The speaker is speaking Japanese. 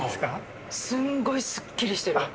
すんごいすっきりしてる。